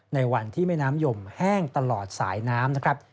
ในวันที่แม่น้ำยมแห้งตลอดสายน้ำนะครับ